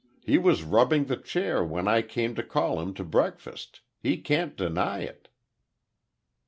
He was rubbing the chair when I came to call him to breakfast—he can't deny it!"